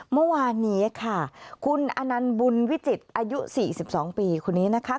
เมื่อวานนี้ค่ะคุณอนันต์บุญวิจิตรอายุ๔๒ปีคนนี้นะคะ